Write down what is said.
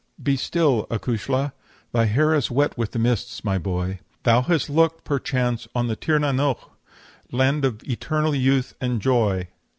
'Be still, acushla (Thy hair is wet with the mists, my boy); Thou hast looked perchance on the Tir na n'oge, Land of eternal youth and joy!